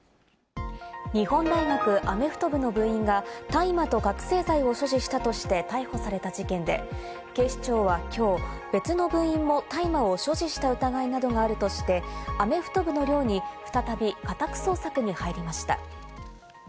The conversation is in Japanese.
日本大学アメフト部の部員が大麻と覚醒剤を所持したとして逮捕された事件で、警視庁は、きょう、別の部員も大麻を所持した疑いなどがあるとしてアメフト部の寮に再び家宅捜索に入りました。